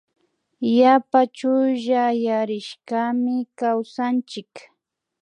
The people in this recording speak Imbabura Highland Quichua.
Yapa chullayarishkami kawsanchik